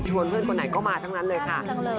ชวนเพื่อนคนไหนก็มาทั้งนั้นเลยค่ะค่ะค่ะค่ะค่ะค่ะค่ะค่ะ